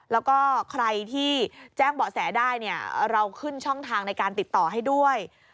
แล้วก็ใครที่แจ้งเบาะแสได้เนี่ยเราขึ้นช่องทางในการติดต่อให้ด้วย